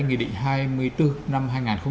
nghị định hai mươi bốn năm hai nghìn một mươi hai